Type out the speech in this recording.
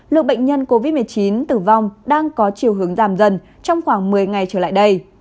lượng bệnh nhân covid một mươi chín tử vong đang có chiều hướng giảm dần trong khoảng một mươi ngày trở lại đây